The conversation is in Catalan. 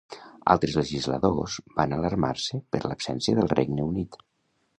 Altres legisladors van alarmar-se per la absència del Regne Unit.